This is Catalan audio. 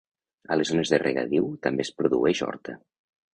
A les zones de regadiu també es produeix horta.